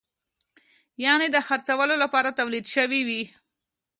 یعنې د خرڅولو لپاره تولید شوی وي.